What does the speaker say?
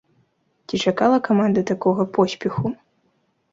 Ці чакала каманда такога поспеху?